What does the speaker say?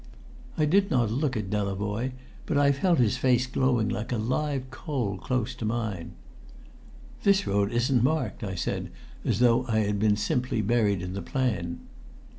I did not look at Delavoye; but I felt his face glowing like a live coal close to mine. "This road isn't marked," I said as though I had been simply buried in the plan.